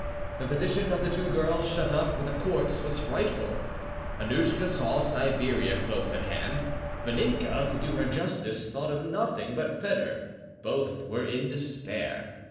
The position of the two girls shut up with a corpse was frightful. Annouschka saw Siberia close at hand; Vaninka, to do her justice, thought of nothing but Foedor. Both were in despair.